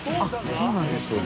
そうなんですね